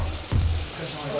お疲れさまです。